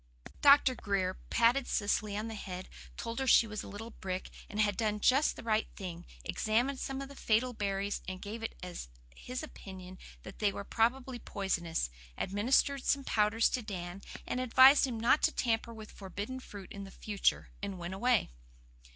Dr. Grier patted Cecily on the head, told her she was a little brick, and had done just the right thing, examined some of the fatal berries and gave it as his opinion that they were probably poisonous, administered some powders to Dan and advised him not to tamper with forbidden fruit in future, and went away.